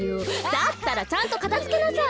だったらちゃんとかたづけなさい！